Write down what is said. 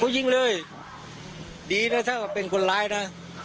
เขายิงเลยดีนะถ้าเป็นคนร้ายนะ